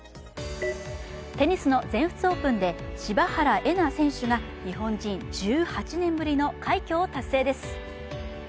テニスの全仏オープンで柴原瑛菜選手が日本人１８年ぶりの快挙を達成です。